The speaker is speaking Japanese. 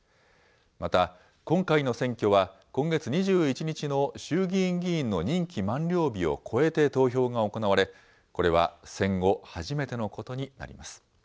また、今回の選挙は今月２１日の衆議院議員の任期満了日を越えて投票が行われ、これは戦後初めてのことになります。